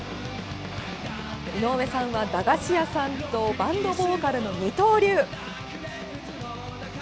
井上さんは駄菓子屋さんとバンドボーカルの二刀流！